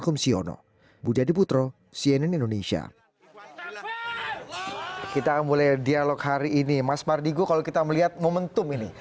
kepada kasus almarhum siono